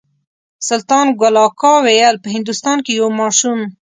سلطان ګل اکا ویل په هندوستان کې یو ماشوم.